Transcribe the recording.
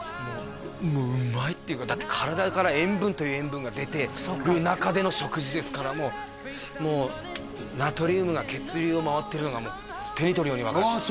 もううまいっていうかだって体から塩分という塩分が出てる中での食事ですからもうもうナトリウムが血流を回ってるのが手に取るように分かりますああ